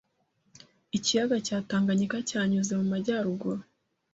Ikiyaga cya Tanganyika cyanyuze mu majyaruguru